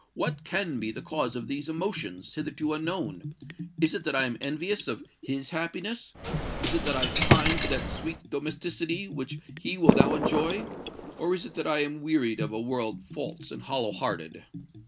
What can be the cause of these emotions—hitherto unknown? Is it that I am envious of his happiness? Is it that I pine for that sweet domesticity which he will now enjoy? Or is it that I am wearied of a world false and hollow hearted?"